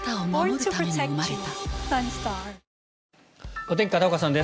お天気、片岡さんです。